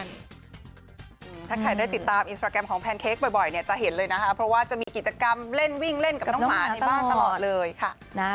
น่ารักมากเลยนะคะ